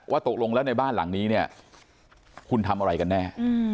ตกลงแล้วในบ้านหลังนี้เนี่ยคุณทำอะไรกันแน่